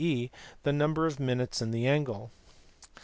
e. the number of minutes in the angle.